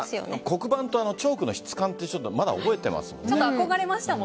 黒板とチョークの質感ってまだ覚えていますもんね。